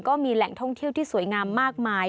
ก็มีแหล่งท่องเที่ยวที่สวยงามมากมาย